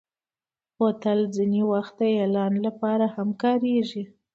بوتل ځینې وخت د اعلان لپاره هم کارېږي.